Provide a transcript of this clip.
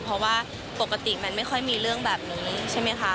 เพราะว่าปกติมันไม่ค่อยมีเรื่องแบบนี้ใช่ไหมคะ